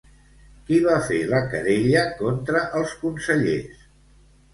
Qui va fer la querella contra els consellers?